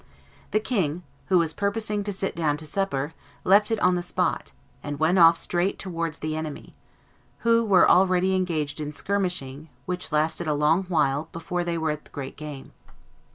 "The king, who was purposing to sit down to supper, left it on the spot, and went off straight towards the enemy, who were already engaged in skirmishing, which lasted a long while before they were at the great game.